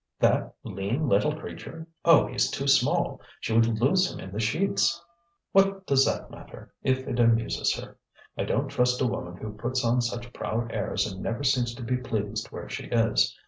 "That lean, little creature! Oh, he's too small! She would lose him in the sheets." "What does that matter, if it amuses her? I don't trust a woman who puts on such proud airs and never seems to be pleased where she is.